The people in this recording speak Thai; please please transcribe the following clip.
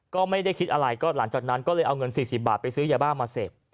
ก็ไม่ได้คิดอะไรก็หลังจากนั้นก็เลยเอาเงิน๔๐บาทไปซื้อยาบ้ามาเสพ